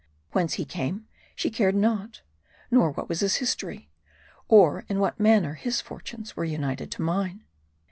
Whence came he, she cared not ; or what was his history ; or in what manner his fortunes were united to mine.